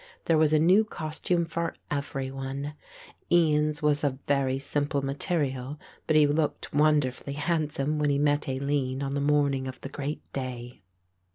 There was a new costume for every one. Ian's was of very simple material, but he looked wonderfully handsome when he met Aline on the morning of the great day.